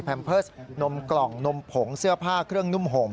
เพิร์สนมกล่องนมผงเสื้อผ้าเครื่องนุ่มห่ม